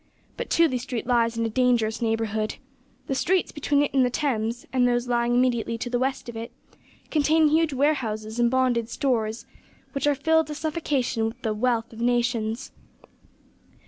But Tooley Street lies in dangerous neighbourhood. The streets between it and the Thames, and those lying immediately to the west of it, contain huge warehouses and bonded stores, which are filled to suffocation with the "wealth of nations."